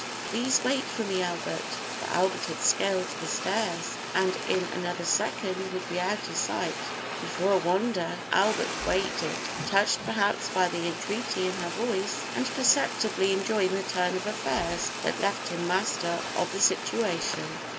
"Please wait for me, Albert;" for Albert had scaled the stairs, and in another second would be out of sight; and for a wonder, Albert waited touched, perhaps, by the entreaty in her voice, and perceptibly enjoying the turn of affairs that left him master of the situation.